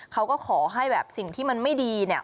เขาก็ขอให้แบบสิ่งที่มันไม่ดีเนี่ย